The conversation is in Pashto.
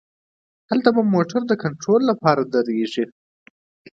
هلته به موټر د کنترول له پاره دریږي.